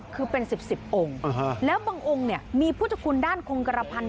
คือเป็นสิบองค์แล้วบางองค์มีผู้ชคุณด้านคงกระพันธ์